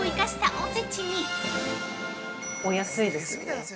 ◆お安いですよね。